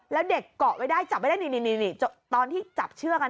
แล้วเด็กเกาะไว้ได้จับไว้ได้นี่ตอนที่จับเชือกกัน